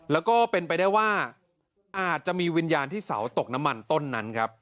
แล้วก็เป็นไปได้ว่าอาจจะมีวิญญาณที่เสาตกน้ำมันต้นนั้นครับ